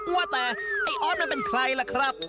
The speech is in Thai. ว่าแต่ไอ้ออสมันเป็นใครล่ะครับ